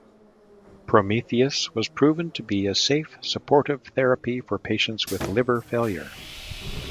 Prometheus was proven to be a safe supportive therapy for patients with liver failure.